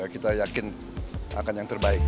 kita yakin akan yang terbaik